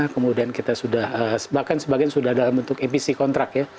kemudian kita sudah bahkan sebagian sudah dalam bentuk apc kontrak ya